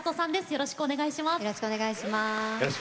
よろしくお願いします。